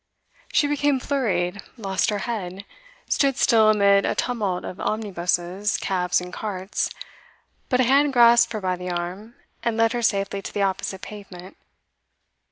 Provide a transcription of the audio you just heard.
She became flurried, lost her head, stood still amid a tumult of omnibuses, cabs and carts; but a hand grasped her by the arm, and led her safely to the opposite pavement.